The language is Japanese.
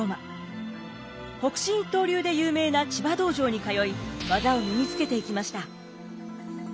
北辰一刀流で有名な千葉道場に通い技を身につけていきました。